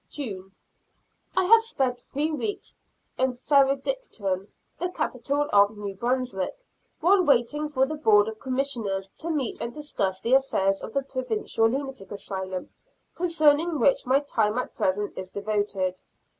June. I have spent three weeks in Fredericton, the capital of New Brunswick, while waiting for the Board of Commissioners to meet and discuss the affairs of the Provincial Lunatic Asylum, concerning which my time at present is devoted.